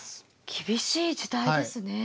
厳しい時代ですね。